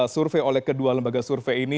survei oleh kedua lembaga survei ini